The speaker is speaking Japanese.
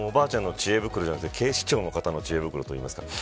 おばあちゃんの知恵袋じゃなくて、警視庁の方の知恵袋といいますか。